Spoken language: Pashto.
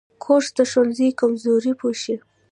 کورس د ښوونځي کمزوري پوښي.